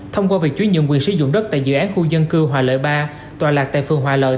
thông qua việc chuyển nhượng quyền sử dụng đất tại dự án khu dân cư hòa lợi ba tòa lạc tại phường hòa lợi